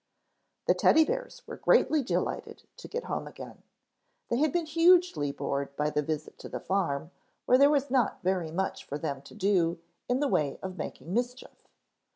The Teddy bears were greatly delighted to get home again. They had been hugely bored by the visit to the farm where there was not very much for them to do in the way of making mischief.